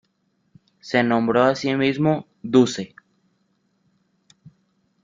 Se nombró a sí mismo Duce.